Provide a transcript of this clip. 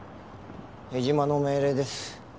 江島の命令です。